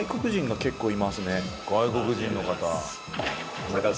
外国人の方。